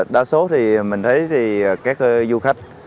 đa số thì mình thấy các du khách